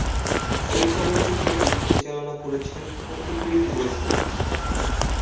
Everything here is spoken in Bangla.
এই চলচ্চিত্রটি পরিচালনা করেছেন পথিকৃৎ বসু।